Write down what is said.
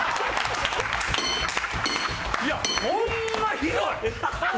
いやほんまひどい！